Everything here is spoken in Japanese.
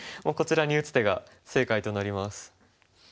もうこちらに打つ手が正解となります。